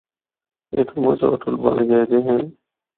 اِتھا مُچ ہوٹل بنڑ گئے دے ہن۔